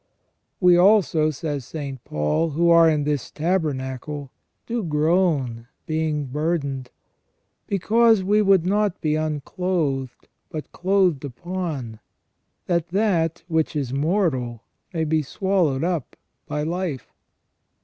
"We also," says St. Paul, "who are in this tabernacle, do groan, being burdened : because we would not be unclothed, but clothed upon, that that which is mortal may be swallowed up by life."